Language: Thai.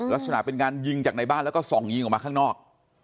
ลักษณะเป็นการยิงจากในบ้านแล้วก็ส่องยิงออกมาข้างนอก